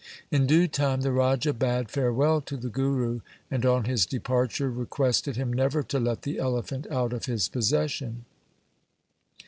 In due time the Raja bade farewell to the Guru, and on his departure requested him never to let the elephant out of his possession.